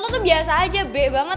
tuh biasa aja b banget